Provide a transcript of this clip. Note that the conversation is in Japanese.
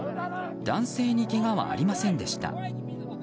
男性にけがはありませんでした。